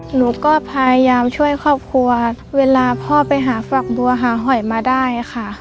หนูก็พยายามช่วยครอบครัวเวลาพ่อไปหาฝักบัวหาหอยมาได้ค่ะ